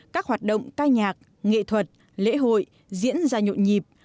các hoạt động ca nhạc nghệ thuật lễ hội diễn ra nhộn nhịp